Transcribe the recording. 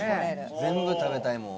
全部食べたいもう。